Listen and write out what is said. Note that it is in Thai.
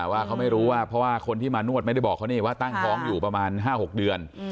ว่าเขาไม่รู้ว่าเพราะว่าคนที่มานวดไม่ได้บอกเขานี่ว่าตั้งท้องอยู่ประมาณ๕๖เดือน